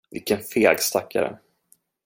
Vilken feg stackare.